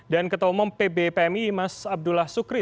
dan ketua umum pb pmi mas abdullah sukri